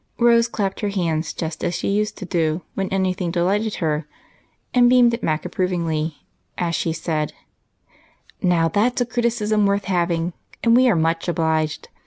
Rose clapped her hands just as she used to do when anything delighted her, and beamed at Mac approvingly as she said: "Now that's a criticism worth having, and we are much obliged.